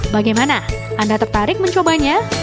bagaimana anda tertarik mencobanya